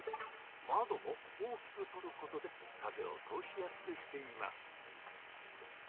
窓も大きくとることで風を通しやすくしています。